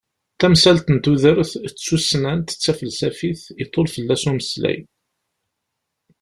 Tamsalt n tudert, d tussnant, d tafelsafit, iḍul fell-as umeslay.